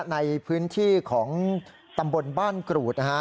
ในพื้นที่ของตำบลบ้านกรูดนะฮะ